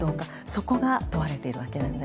そこが問われているわけなんです。